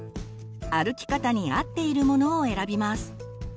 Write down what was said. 歩き方に合っているものを選びます。